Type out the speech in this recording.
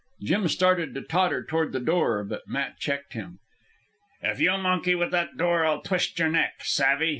Jim started to totter toward the door, but Matt checked him. "If you monkey with that door, I'll twist your neck. Savve?